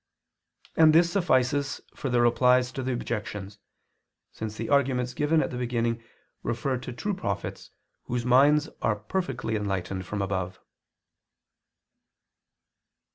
And this suffices for the Replies to the Objections, since the arguments given at the beginning refer to true prophets whose minds are perfectly enlightened from above.